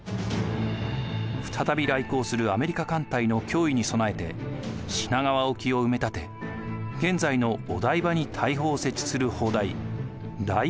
再び来航するアメリカ艦隊の脅威に備えて品川沖を埋め立て現在のお台場に大砲を設置する砲台「台場」の建設を進めました。